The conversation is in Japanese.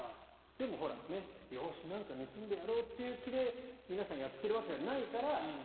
でも、よーしなんか盗んでやろうという気で皆さんやっているわけじゃないから。